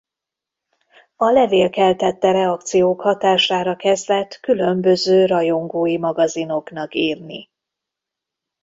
A levél keltette reakciók hatására kezdett különböző rajongói magazinoknak írni.